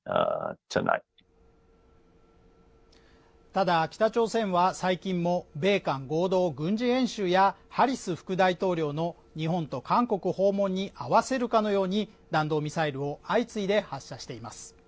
ただ北朝鮮は最近も米韓合同軍事演習やハリス副大統領の日本と韓国訪問に合わせるかのように弾道ミサイルを相次いで発射しています